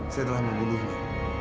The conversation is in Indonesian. saya telah mengunduhnya